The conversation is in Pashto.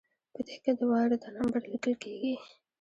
په دې کې د وارده نمبر لیکل کیږي.